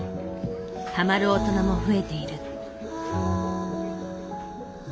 ハマる大人も増えている。